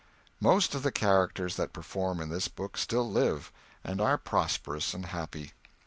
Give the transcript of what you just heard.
Most of the characters that perform in this book still live, and are prosperous and happy.